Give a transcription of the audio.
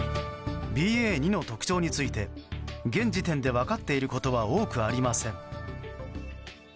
ＢＡ．２の特徴について現時点で分かっていることは多くありません。